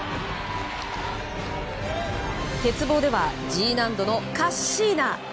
鉄棒ではＧ難度のカッシーナ。